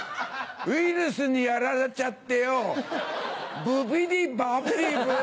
ウイルスにやられちゃってよぉブビディバビブ！